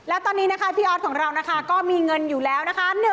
และตอนนี้นะคะพี่ออสของเรานะคะก็มีเงินอยู่แล้วนะคะ